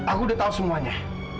aku udah tahu semuanya